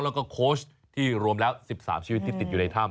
แล้วก็โค้ชที่รวมแล้ว๑๓ชีวิตที่ติดอยู่ในถ้ำ